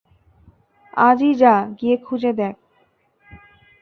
আজই যা গিয়ে খুঁজে দেখ।